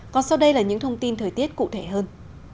còn sau đây là những thông tin thời tiết cụ thể hơn